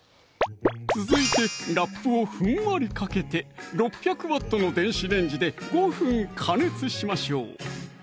続いてラップをふんわりかけて６００Ｗの電子レンジで５分加熱しましょう